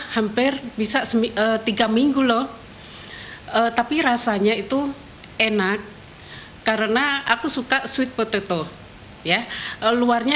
hampir bisa tiga minggu loh tapi rasanya itu enak karena aku suka sweet potetoto ya luarnya